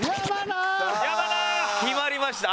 決まりました。